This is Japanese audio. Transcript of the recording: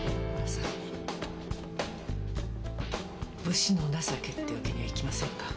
武士の情けってわけにはいきませんか。